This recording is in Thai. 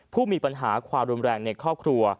ผู้มีปัญหาความรุนแรงในครอบครัว